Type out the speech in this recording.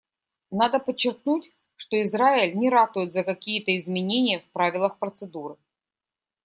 Надо подчеркнуть, что Израиль не ратует за какие-то изменения в правилах процедуры.